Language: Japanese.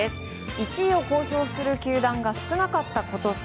１位を公表する球団が少なかった今年。